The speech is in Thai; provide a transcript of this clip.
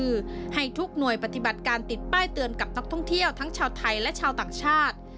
คือให้ทุกหน่วยปฏิบัติการติดป้ายเตือนกับนักท่องเที่ยวทั้งชาวไทยและชาวต่างชาติ